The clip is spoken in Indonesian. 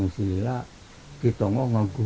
tapi lihat blanc jambu